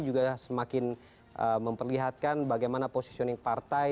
juga semakin memperlihatkan bagaimana positioning partai